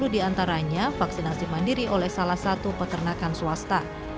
dua puluh enam delapan ratus lima puluh diantaranya vaksinasi mandiri oleh salah satu peternakan swasta